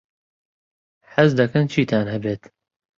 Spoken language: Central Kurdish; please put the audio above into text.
حەز دەکەن چیتان هەبێت؟